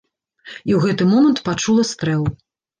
І ў гэты момант пачула стрэл.